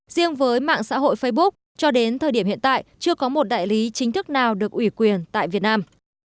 riêng với mạng xã hội facebook cho đến thời điểm hiện tại chưa có một đại lý chính thức nào được ủy quyền tại việt nam